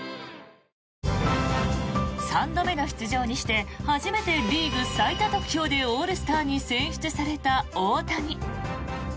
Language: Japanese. ３度目の出場にして初めてリーグ最多得票でオールスターに選出された大谷。